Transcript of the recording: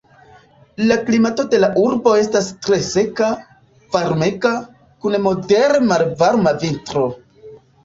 La klimato de la urbo estas tre seka, varmega, kun modere malvarma vintro.